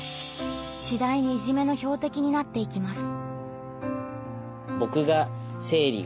次第にいじめの標的になっていきます。